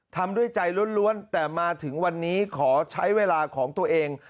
ทำด้วยใจล้วนแต่มาถึงวันนี้ขอใช้เวลาของตัวเอง